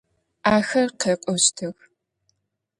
Ахэр къэкӏощтых.